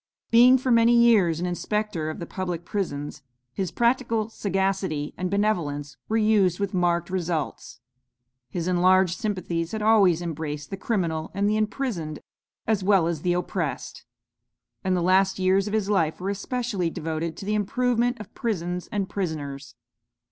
Being for many years an inspector of the public prisons, his practical sagacity and benevolence were used with marked results. His enlarged sympathies had always embraced the criminal and the imprisoned, as well as the oppressed; and the last years of his life were especially devoted to the improvement of prisons and prisoners.